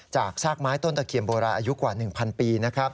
ซากไม้ต้นตะเคียนโบราณอายุกว่า๑๐๐ปีนะครับ